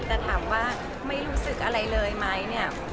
แต่ถามว่าไม่รู้สึกอะไรเลยไหมเนี่ย